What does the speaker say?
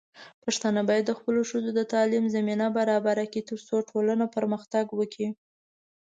پښتانه بايد خپلو ښځو ته د تعليم زمينه برابره کړي، ترڅو ټولنه پرمختګ وکړي.